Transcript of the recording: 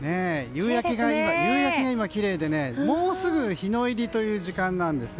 夕焼けが今きれいでもうすぐ日の入りという時間です。